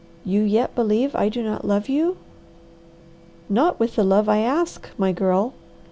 You yet believe I do not love you?" "Not with the love I ask, my girl.